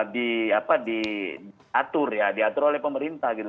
diatur ya diatur oleh pemerintah gitu